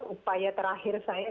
upaya terakhir saya